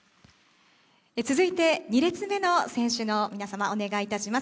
続いて、２列目の選手の皆様お願いいたします。